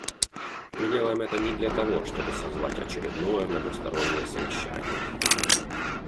Мы делаем это не для того, чтобы созвать очередное многостороннее совещание.